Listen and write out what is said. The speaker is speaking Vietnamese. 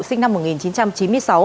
sinh năm một nghìn chín trăm chín mươi sáu